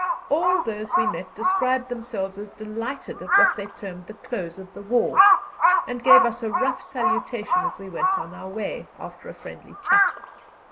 All those we met described themselves as delighted at what they termed the close of the war, and gave us a rough salutation as we went on our way, after a friendly chat.